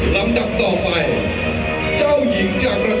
ลำดับต่อไปเจ้าหญิงจากประเทศ